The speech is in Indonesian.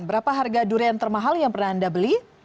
berapa harga durian termahal yang pernah anda beli